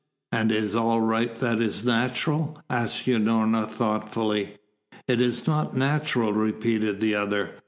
"And is all right that is natural?" asked Unorna thoughtfully. "It is not natural," repeated the other.